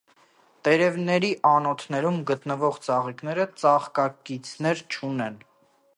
Տերևների անոթներում գտնվող ծաղիկները ծաղկակիցներ չունեն։